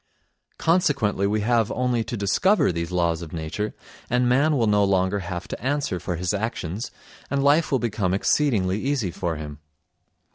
Consequently we have only to discover these laws of nature, and man will no longer have to answer for his actions and life will become exceedingly easy for him.